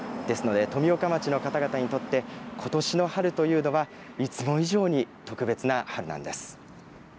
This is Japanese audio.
ですので富岡町の方々にとって、ことしの春というのは、いつも以上に特別な春なんです。